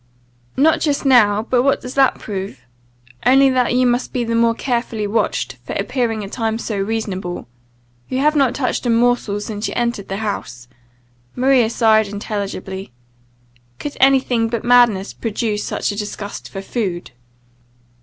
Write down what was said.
"Not just now. But what does that prove? Only that you must be the more carefully watched, for appearing at times so reasonable. You have not touched a morsel since you entered the house." Maria sighed intelligibly. "Could any thing but madness produce such a disgust for food?"